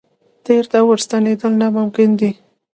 تېر ته ورستنېدل ناممکن دي.